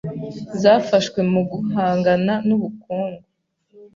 Zafashwe muguhangana n’ubukungu